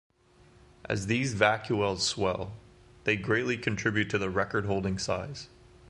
As these vacuoles swell, they greatly contribute to the record-holding size.